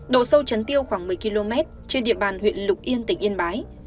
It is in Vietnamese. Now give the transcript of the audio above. độ sâu chấn tiêu khoảng một mươi km trên địa bàn huyện lục yên tỉnh yên bái